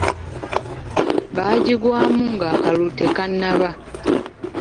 Baagigwamu nga n'akalulu tekannaba.